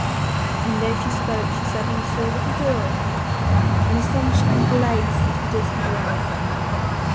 As she spoke she suddenly saw a little door open, and the sunshine blazed into the dismal well.